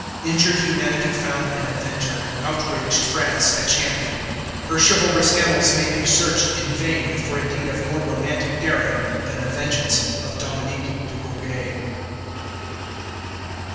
Injured humanity found an avenger, and outraged France a champion. Her chivalrous annals may be searched in vain for a deed of more romantic daring than the vengeance of Dominique de Gourgues.